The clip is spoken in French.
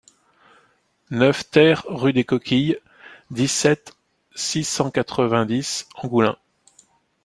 neuf TER rue des Coquilles, dix-sept, six cent quatre-vingt-dix, Angoulins